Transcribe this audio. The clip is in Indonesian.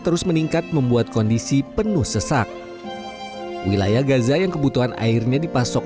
terus meningkat membuat kondisi penuh sesak wilayah gaza yang kebutuhan airnya dipasok